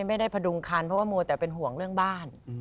ไม่ได้พดุงคันเพราะว่ามัวแต่เป็นห่วงเรื่องบ้าน